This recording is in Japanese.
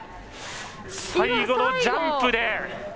最後のジャンプで。